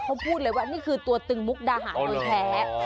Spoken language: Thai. เขาพูดเลยว่านี่คือตัวตึงมุกดาหารโดยแท้